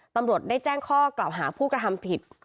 ตำรวจได้แจ้งข้อกล่าวหาผู้กระทำผิด